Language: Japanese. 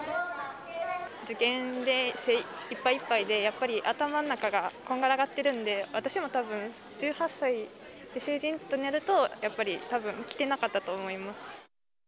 受験でいっぱいいっぱいで、やっぱり頭の中がこんがらがってるんで、私もたぶん１８歳で成人となると、やっぱり多分来てなかったと思います。